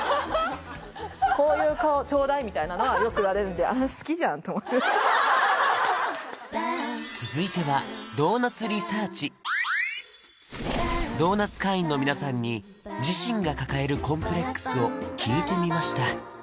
こういう顔頂戴みたいなのはよく言われるんで続いてはドーナツ会員の皆さんに自身が抱えるコンプレックスを聞いてみました